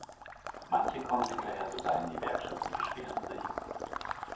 Manche kommen hinterher sogar in die Werkstatt und beschweren sich.